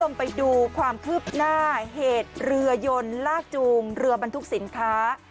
ไปดูความคืบหน้าเหตุเรือยนลากจูงเรือบรรทุกสินค้า